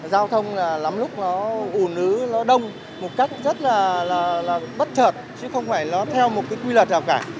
giao thông là lắm lúc nó ủ nứ nó đông một cách rất là bất chợt chứ không phải nó theo một cái quy luật nào cả